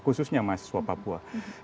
khususnya mahasiswa papua